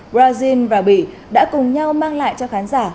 brazil và bỉ đã cùng nhau mang lại cho khán giả